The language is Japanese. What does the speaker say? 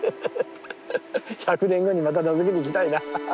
１００年後にまたのぞきに行きたいな。